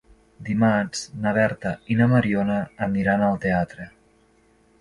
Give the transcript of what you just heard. Dimarts na Berta i na Mariona aniran al teatre.